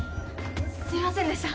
すいませんでした。